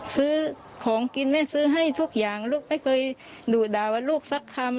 ซื้อของกินแม่ซื้อให้ทุกอย่างลูกไม่เคยดุด่าว่าลูกสักคำ